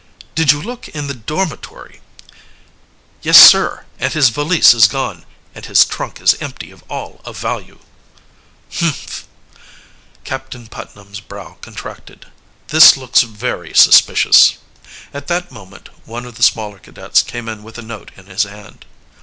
"Did you look in the dormitory?" "Yes, sir; and his valise is gone, and his trunk is empty of all of value." "Humph!" Captain Putnam's brow contracted. "This looks very suspicious." At that moment one of the smaller cadets came in with a note in his hand.